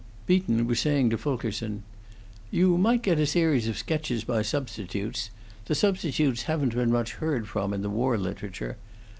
Beaton was saying to Fulkerson: "You might get a series of sketches by substitutes; the substitutes haven't been much heard from in the war literature.